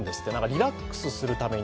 リラックスするために。